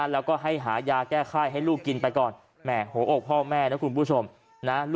แล้วก็ให้หายาแก้ไฮให้ลูกกินไปก่อน